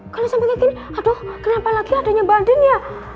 kalau sampai kayak gini aduh kenapa lagi adanya mbak handin ya